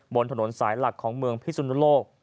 บนถนนสายหลักของเมืองพิสุนุโลก